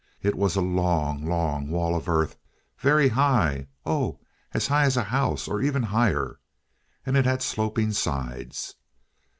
It was a long, long wall of earth, very high oh, as high as a house, or even higher! And it had sloping sides.